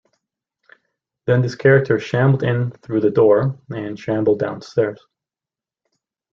Then this character shambled in through the door and shambled downstairs.